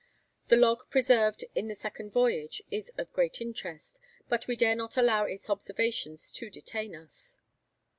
The log preserved in the Second Voyage is of great interest, but we dare not allow its observations to detain us.